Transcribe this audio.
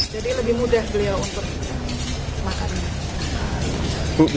jadi lebih mudah beliau untuk makan